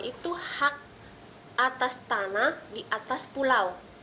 itu hak atas tanah di atas pulau